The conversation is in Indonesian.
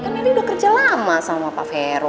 meli udah kerja lama sama pak vero